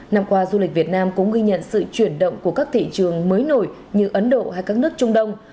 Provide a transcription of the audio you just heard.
năm qua du lịch việt nam cũng ghi nhận sự chuyển động của các thị trường mới nổi như ấn độ hay các nước trung đông